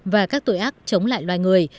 và các tội ác chống lại loài người